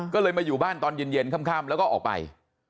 ก็เลยมาอยู่บ้านตอนเย็นค่ำแล้วก็ออกไป